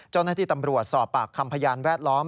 เจ้าหน้าที่ตำรวจสอบปากคำพยานแวดล้อม